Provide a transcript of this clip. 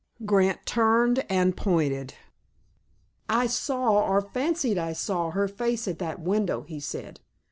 Grant turned and pointed. "I saw, or fancied I saw, her face at that window," he said.